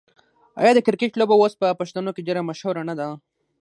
آیا د کرکټ لوبه اوس په پښتنو کې ډیره مشهوره نه ده؟